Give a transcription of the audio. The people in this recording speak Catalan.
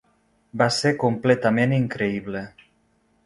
Va ser completament increïble.